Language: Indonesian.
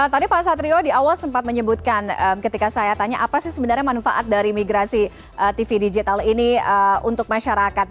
tadi pak satrio di awal sempat menyebutkan ketika saya tanya apa sih sebenarnya manfaat dari migrasi tv digital ini untuk masyarakat